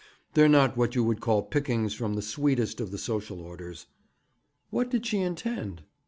'They're not what you would call pickings from the sweetest of the social orders.' 'What did she intend?'